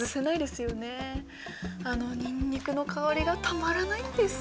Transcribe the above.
あのにんにくの香りがたまらないんです。